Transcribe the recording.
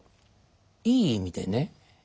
いい意味でね